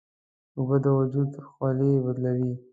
اوبه د وجود خولې بدلوي.